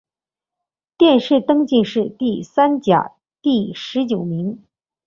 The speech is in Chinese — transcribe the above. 殿试登进士第三甲第十九名。